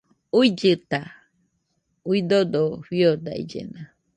Uillɨta, uidodo fiodaillena